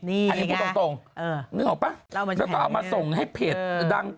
นี่แหละครับเออนึกออกปะแล้วต่อมาส่งให้เพจดัง